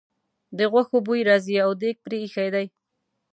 د غوښو بوی راځي او دېګ پرې ایښی دی.